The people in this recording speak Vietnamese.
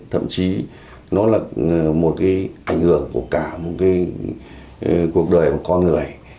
thậm chí nó là một ảnh hưởng của cả cuộc đời của con người